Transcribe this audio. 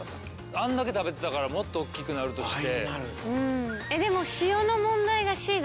あんだけ食べてたからもっと大きくなるとして。